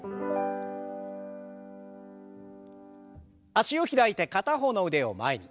脚を開いて片方の腕を前に。